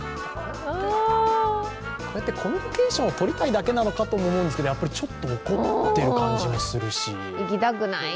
コミュニケーションをとりたいだけなのかなとも思うんですがやっぱりちょっと怒ってる感じもするし。